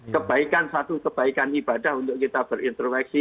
kebaikan satu kebaikan ibadah untuk kita berinteroksi